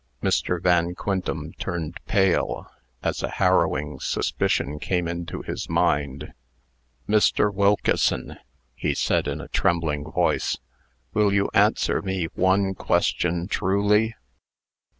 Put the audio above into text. Mr. Van Quintem turned pale, as a harrowing suspicion came into his mind. "Mr. Wilkeson," he said, in a trembling voice, "will you answer me one question truly?"